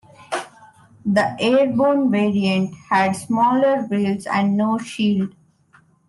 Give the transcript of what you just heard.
The airborne variant had smaller wheels and no shield.